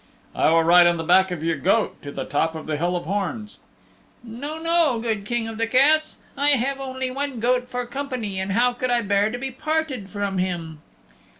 "I will ride on the back of your goat to the top of the Hill of Horns." "No, no, good King of the Cats. I have only my goat for company and how could I bear to be parted from him?"